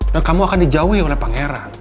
dan kamu akan dijauhi oleh pangeran